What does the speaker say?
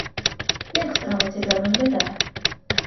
Як справа цяпер выглядае?